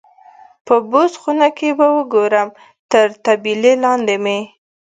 په بوس خونه کې به وګورم، تر طبیلې لاندې مې.